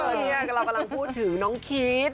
เฮ้ยเรากำลังพูดถึงน้องคิด